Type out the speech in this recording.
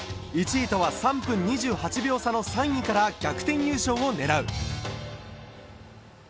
１位とは３分２８秒差の３位から逆転優勝を狙う。